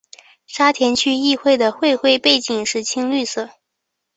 沙田区议会的会徽背景是青绿色。